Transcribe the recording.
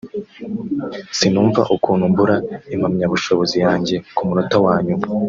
sinumva ukuntu mbura impamyabushobozi yanjye ku munota wanyuma